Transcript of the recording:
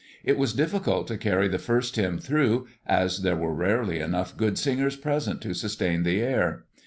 It was difficult to carry the first hymn through, as there were rarely enough good singers present to sustain the air.